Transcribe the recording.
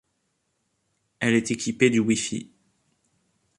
Elle est équipée du Wifi.